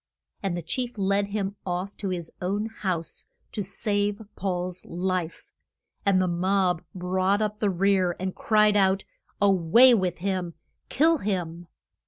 And the chief led him off to his own house, to save Paul's life, and the mob brought up the rear, and cried out, A way with him! Kill him!